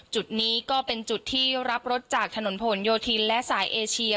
จุดนี้ก็เป็นจุดที่รับรถจากถนนผนโยธินและสายเอเชีย